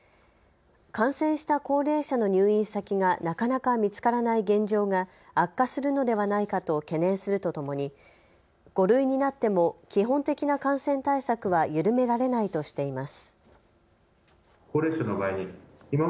感染した高齢者の入院先がなかなか見つからない現状が悪化するのではないかと懸念するとともに５類になっても基本的な感染対策は緩められないとしています。